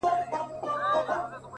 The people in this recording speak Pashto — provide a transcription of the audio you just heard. لا لرګي پر کوناټو پر اوږو خورمه٫